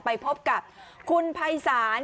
ไปพบกับคุณภัยศาล